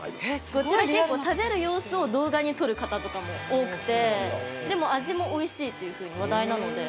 こちら、結構食べる様子を動画に撮る方とかも多くてでも、味もおいしいと話題なので。